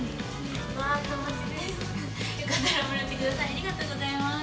ありがとうございます！